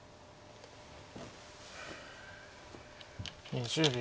２０秒。